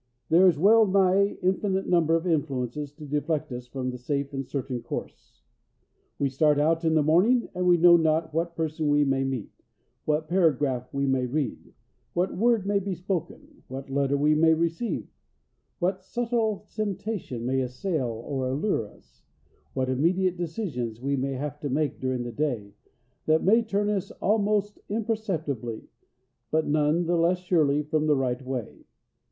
There is a wellnigh infinite number of influences to deflect us from the safe and certain course. We start out in the morning, and we know not what person we may meet, what paragraph we may read, what word may be spoken, what letter we may receive, what subtle temptation may assail or allure us, what immediate decisions we may have to make during the day, that may turn us almost imperceptibly, but none the less surely, from the right way.